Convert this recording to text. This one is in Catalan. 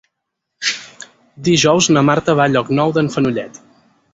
Dijous na Marta va a Llocnou d'en Fenollet.